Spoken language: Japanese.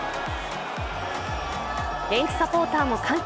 現地サポーターも歓喜。